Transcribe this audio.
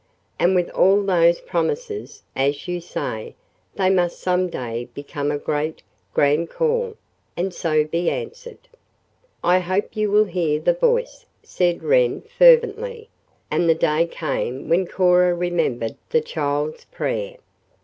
"And with all those promises, as you say, they must some day become a great, grand call, and so be answered." "I hope you will hear the voice," said Wren fervently, and the day came when Cora remembered the child's prayer.